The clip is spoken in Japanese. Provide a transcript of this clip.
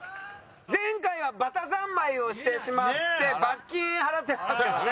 前回はバタざんまいをしてしまって罰金払ってますからね。